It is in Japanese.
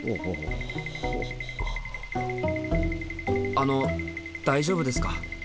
あの大丈夫ですか？